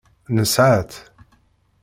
Nesɛa-tt.